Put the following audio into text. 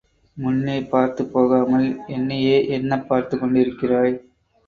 முன்னே பார்த்துப் போகாமல் என்னையே என்னப் பார்த்துக் கொண்டிருக்கிறாய்?